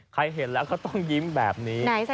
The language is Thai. เห็นแล้วเขาต้องยิ้มแบบนี้